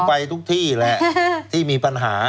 ไปทุกที่แหละที่มีปัญหา